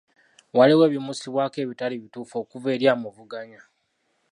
Waliwo ebimusibwako ebitali bituufu okuva eri amuvuganya.